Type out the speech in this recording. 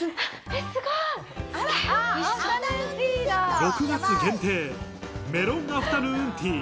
６月限定、メロンアフタヌーンティー。